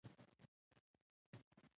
موږ ته څوک بل ایزم تلقین نه کړي.